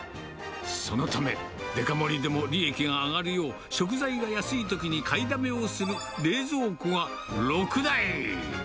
そのためデカ盛りでも利益が上がるよう、食材が安いときに買いだめをする冷蔵庫が６台。